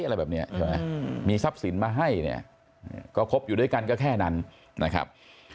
อะไรแบบนี้ใช่ไหมมีทรัพย์สินมาให้เนี่ยก็คบอยู่ด้วยกันก็แค่นั้นนะครับ